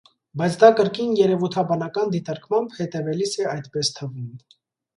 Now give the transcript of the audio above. Բայց դա կրկին երևութաբանական դիտարկմամբ հետևելիս է այդպես թվում։